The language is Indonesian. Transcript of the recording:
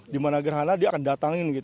di mana gerhana dia akan datangin